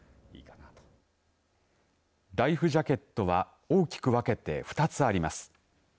ライフジャケットは大きく分けて２つあります。